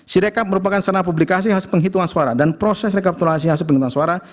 sirekap merupakan sarana publikasi hasil penghitungan suara dan proses rekapitulasi hasil penghitungan suara